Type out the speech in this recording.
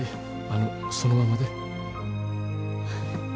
あのそのままで。